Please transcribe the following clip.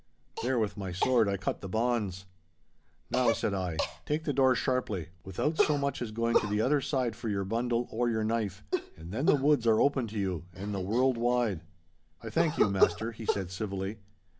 There with my sword I cut the bonds. 'Now,' said I, 'take the door sharply, without so much as going to the other side for your bundle or your knife, and then the woods are open to you and the world wide.' 'I thank you, master,' he said civilly.